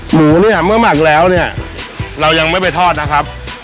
หมูเมื่อหมักแล้วเรายังไม่ไปทอดนะครับ